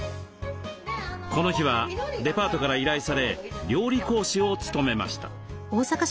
この日はデパートから依頼され料理講師を務めました。